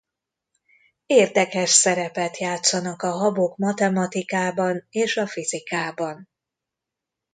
Érdekes szerepet játszanak a habok matematikában és a fizikában.